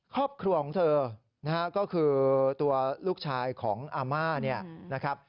ครอบครัวของเธอก็คือตัวลูกชายของอาม่า